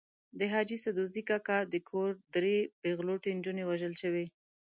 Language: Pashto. د حاجي سدوزي کاکا د کور درې پېغلوټې نجونې وژل شوې.